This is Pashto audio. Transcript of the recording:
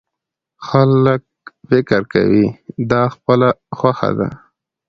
خلک فکر کوي دا خپله خوښه ده.